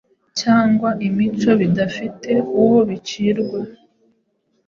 cyangwa imico bidafite uwo bicirwa.